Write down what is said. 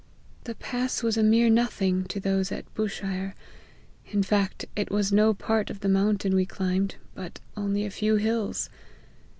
The pass was a mere nothing to those at Bushire ; in fact it was no part of the mountain we climbed, but only a few hills.